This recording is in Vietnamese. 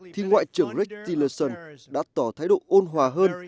thì ngoại trưởng greg tillerson đã tỏ thái độ ôn hòa hơn